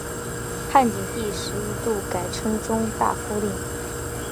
汉景帝时一度改称中大夫令。